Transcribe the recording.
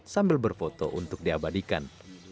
sambil berfoto untuk diabadikan